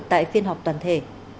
tại phiên họp toàn thể